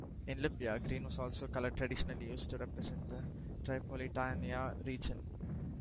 In Libya, green was also a colour traditionally used to represent the Tripolitania region.